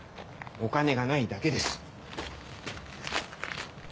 お金がないだけです。